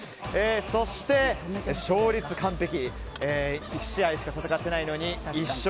そして、勝率完璧１試合しか戦っていないのに１勝。